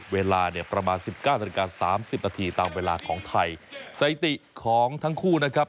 เวลาเนี่ยประมาณสิบเก้านาฬิกาสามสิบนาทีตามเวลาของไทยสถิติของทั้งคู่นะครับ